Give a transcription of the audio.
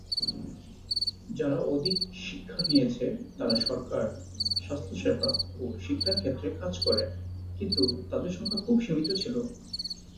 যারা অধিক শিক্ষা নিয়েছে তারা সরকার, স্বাস্থ্যসেবা ও শিক্ষার ক্ষেত্রে কাজ করে, কিন্তু তাদের সংখ্যা খুব সীমিত ছিল।